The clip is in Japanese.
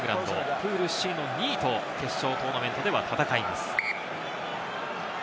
プールＣの２位と決勝トーナメントで戦います。